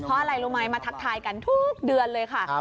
เพราะอะไรรู้ไหมมาทักทายกันทุกเดือนเลยค่ะ